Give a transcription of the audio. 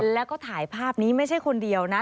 แล้วก็ถ่ายภาพนี้ไม่ใช่คนเดียวนะ